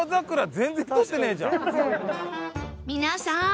皆さん！